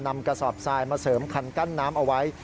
กระสอบทรายมาเสริมคันกั้นน้ำเอาไว้